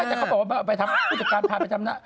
ไม่ใช่แต่เขาบอกป่ะเอาไปทำน่ะผู้จัดการมันเอาไปทำน่ะ